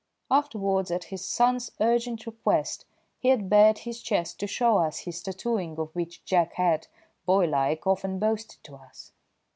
Afterwards, at his son's urgent request, he had bared his chest to show us his tattooing of which Jack had, boy like, often boasted to us.